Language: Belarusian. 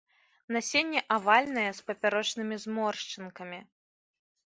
Насенне авальнае, з папярочнымі зморшчынкамі.